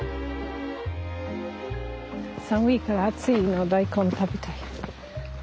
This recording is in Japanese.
寒いから熱いの大根食べたい。